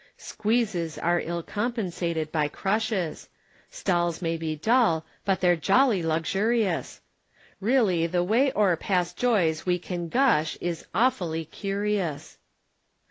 "Squeezes" are ill compensated by crushes Stalls may be dull, but they're jolly luxurious; Really the way o'er past joys we can gush is Awfully curious!